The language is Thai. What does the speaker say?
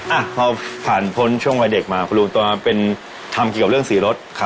อ่ะพอผ่านพ้นช่วงวัยเด็กมาคุณลุงตัวเป็นทำเกี่ยวกับเรื่องสีรถ